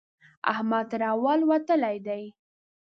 احمد تر اول وتلی دی.